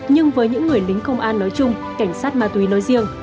nhưng với những người lính công an nói chung cảnh sát ma túy nói riêng